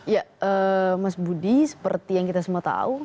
ya mas budi seperti yang kita semua tahu